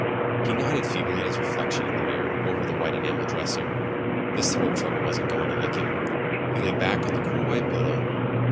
He nodded feebly at his reflection in the mirror over the white enamel dresser. This throat trouble wasn't going to lick him. He lay back on the cool white pillow.